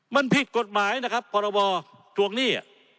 มันผิดกฎหมายนะครับพรบทวงหนี้